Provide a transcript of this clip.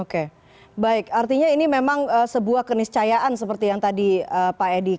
oke baik artinya ini memang sebuah keniscayaan seperti yang tadi pak edi